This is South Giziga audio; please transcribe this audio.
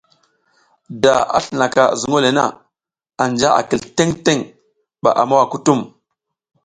Da a slinaka zuŋ le na, anja a kil teŋ teŋ, ba a mowa kutum.